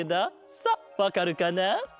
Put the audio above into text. さあわかるかな？